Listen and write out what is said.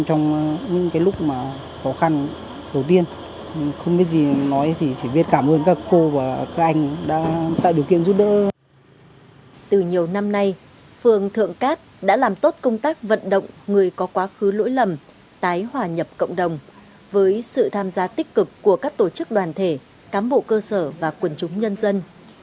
từ nhiều năm nay phường thượng cát đã làm tốt công tác vận động người có quá khứ lỗi lầm tái hòa nhập cộng đồng với sự tham gia tích cực của các tổ chức đoàn thể cám bộ cơ sở và quần chúng nhân dân